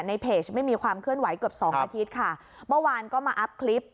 ในเพจไม่มีความเคลื่อนไหวเกือบสองอาทิตย์ค่ะเมื่อวานก็มาอัพคลิป